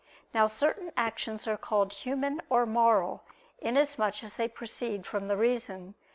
Now certain actions are called human or moral, inasmuch as they proceed from the reason.